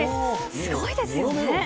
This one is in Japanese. すごいですよね。